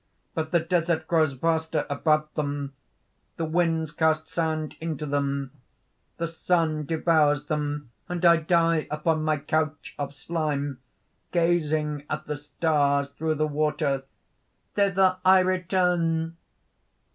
But the desert grows vaster about them; the winds cast sand into them; the sun devours them; and I die upon my couch of slime, gazing at the stars through the water. Thither I return!"